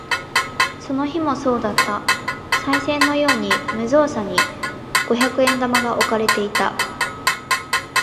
その日もそうだった。賽銭のように無造作に五百円玉が置かれていた。